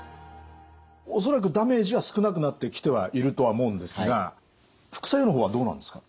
恐らくダメージは少なくなってきてはいるとは思うんですが副作用の方はどうなんですか？